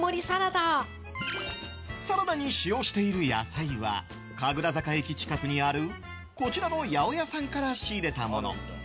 サラダに使用している野菜は神楽坂駅近くにあるこちらの八百屋さんから仕入れたもの。